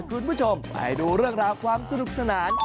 คุณผู้ชมไปดูเรื่องราวความสนุกสนาน